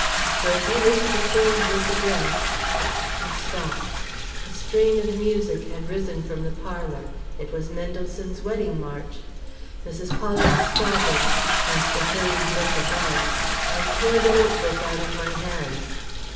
So if you wish to change this address " I stopped; a strain of music had risen from the parlor. It was Mendelssohn's Wedding March. Mrs. Pollard started, cast a hurried look above and tore the note book out of my hands.